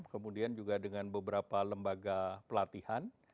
kemudian juga dengan beberapa lembaga pelatihan